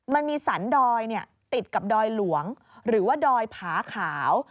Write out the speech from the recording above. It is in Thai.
มันมีสันดอยติดกับดอยหลวงหรือว่าดอยผาขาว